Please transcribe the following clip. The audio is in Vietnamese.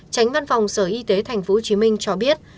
tránh văn phòng sở y tế tp hcm cho biết